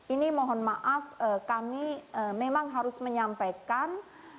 ini mohon maaf kami memang harus menyampaikan